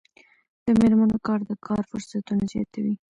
د میرمنو کار د کار فرصتونه زیاتوي.